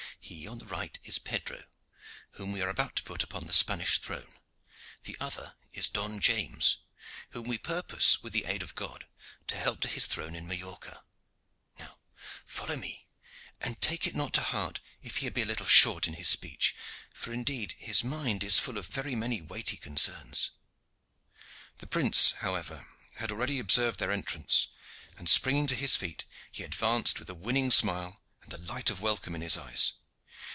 "He on the right is Pedro, whom we are about to put upon the Spanish throne. The other is Don James, whom we purpose with the aid of God to help to his throne in Majorca. Now follow me, and take it not to heart if he be a little short in his speech, for indeed his mind is full of many very weighty concerns." The prince, however, had already observed their entrance, and, springing to his feet, he had advanced with a winning smile and the light of welcome in his eyes.